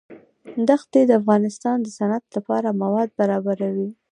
دښتې د افغانستان د صنعت لپاره مواد برابروي.